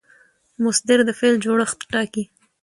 مصدر د فعل جوړښت ټاکي.